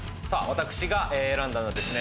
私が選んだのはですね